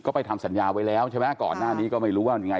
ก็ไปทำสัญญาไว้แล้วใช่ไหมก่อนหน้านี้ก็ไม่รู้ว่ายังไง